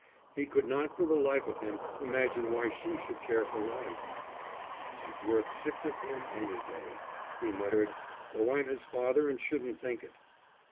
He could not for the life of him imagine why she should care for Lionel. "She's worth six of him, any day," he muttered, "though I'm his father and shouldn't think it."